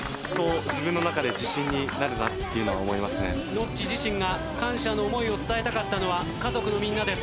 ノッチ自身が感謝の思いを伝えたかったのは家族のみんなです。